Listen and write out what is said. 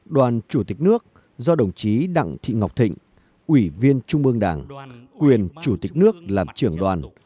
đoàn chính phủ do đồng chí nguyễn thị kim ngân ủy viên bộ chính trị thủ tịch quốc hội làm trưởng đoàn